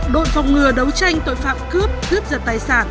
đội phòng ngừa đấu tranh tội phạm cướp cướp giật tài sản